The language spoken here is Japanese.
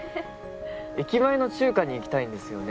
駅前の中華に行きたいんですよね